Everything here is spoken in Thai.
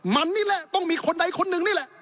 มันนี่แหละต้องมีคนใดคนหนึ่งนี่แหละ